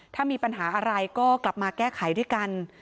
ถ้ามีปัญหาอะไรก็กลับมาแก้ไขด้วยกัน